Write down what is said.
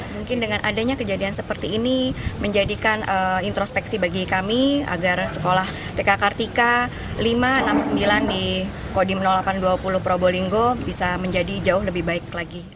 mungkin dengan adanya kejadian seperti ini menjadikan introspeksi bagi kami agar sekolah tk kartika lima ratus enam puluh sembilan di kodim delapan ratus dua puluh probolinggo bisa menjadi jauh lebih baik lagi